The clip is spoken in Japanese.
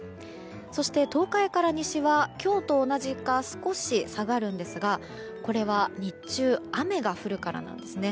そして、東海から西は今日と同じか少し下がるんですが、これは日中雨が降るからなんです。